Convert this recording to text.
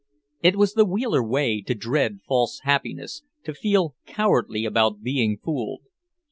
It was the Wheeler way to dread false happiness, to feel cowardly about being fooled.